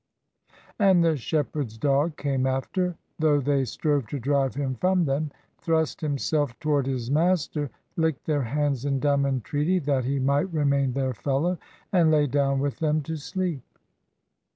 And the shepherd's dog came after, Though they strove to drive him from them; Thrust himself toward his master, Licked their hands in dumb entreaty. That he might remain their fellow ; And lay down with them to sleep.